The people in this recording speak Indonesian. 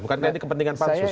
bukannya ini kepentingan pansus